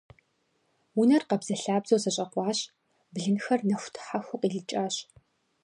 Унэр къабзэлъабзэу зэщӀэкъуащ, блынхэр нэхутхьэхуу къилыкӀащ.